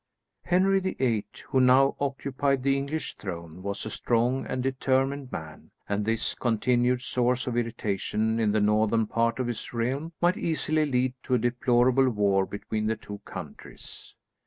Henry VIII, who now occupied the English throne, was a strong and determined man, and this continued source of irritation in the northern part of his realm might easily lead to a deplorable war between the two countries.